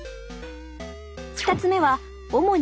２つ目は主に